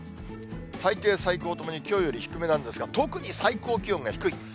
最低、最高ともにきょうより低めなんですが、特に最高気温が低い。